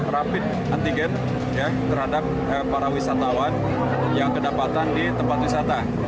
rapid antigen terhadap para wisatawan yang kedapatan di tempat wisata